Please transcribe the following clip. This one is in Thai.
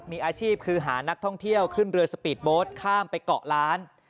มีอาชีพคือหานักท่องเที่ยวขึ้นเรือสปีดโบสต์ข้ามไปเกาะล้าน